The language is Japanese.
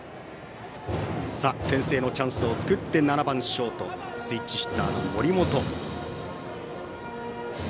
先制のチャンスを作って７番ショートスイッチヒッターの森本。